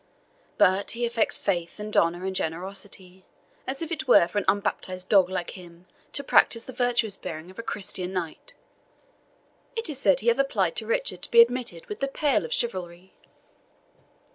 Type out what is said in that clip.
But he affects faith, and honour, and generosity, as if it were for an unbaptized dog like him to practise the virtuous bearing of a Christian knight. It is said he hath applied to Richard to be admitted within the pale of chivalry."